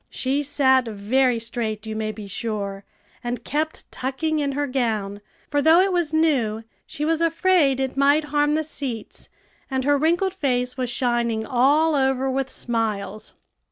She sat very straight, you may be sure, and kept tucking in her gown; for though it was new, she was afraid it might harm the seats, and her wrinkled face was shining all over with smiles.